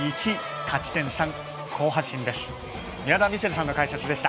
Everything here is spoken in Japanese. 勝ち点３、好発進です。